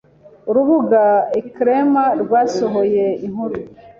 Urubuga elcrema rwasohoye inkuru